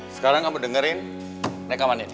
sekarang kamu dengerin rekaman ini